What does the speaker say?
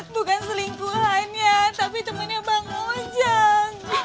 bukan selingkuhannya tapi temennya bang ojak